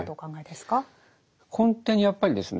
根底にやっぱりですね